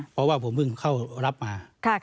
เพราะว่าผมเพิ่งเข้ารับมา